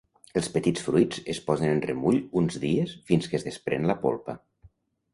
Els petits fruits es posen en remull uns dies fins que es desprèn la polpa.